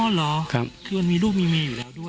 เหรอคือมันมีลูกมีเมียอยู่แล้วด้วย